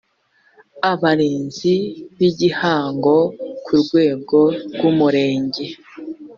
abarinzi b igihango ku rwego rw umurenge